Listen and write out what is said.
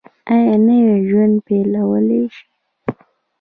ایا نوی ژوند پیلولی شئ؟